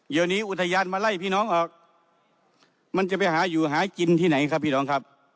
เดี๋ยวนี้อุทยานมาไล่พี่น้องออกมันจะไปหาอยู่หากินที่ไหนครับพี่น้องครับ